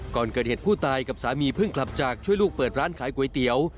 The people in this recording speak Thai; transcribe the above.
ก่อนเกิดเหตุผู้ตายกับสามีเพิ่งกลับจากช่วยลูกเปิดร้านขายก๋วยเตี๋ยว